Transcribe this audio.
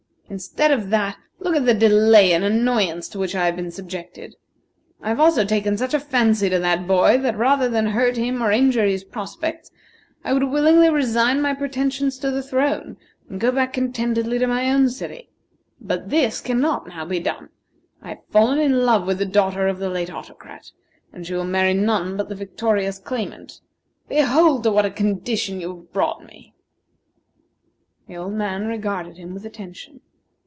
Instead of that, look at the delay and annoyance to which I have been subjected. I have also taken such a fancy to the boy that rather than hurt him or injure his prospects, I would willingly resign my pretensions to the throne, and go back contentedly to my own city. But this cannot now be done. I have fallen in love with the daughter of the late Autocrat, and she will marry none but the victorious claimant. Behold to what a condition you have brought me!" The old man regarded him with attention.